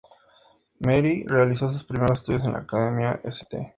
Mary realizó sus primeros estudios en la Academia "St.